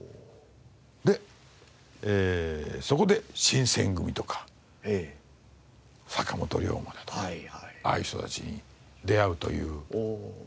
でそこで新選組とか坂本龍馬だとかああいう人たちに出会うという話です。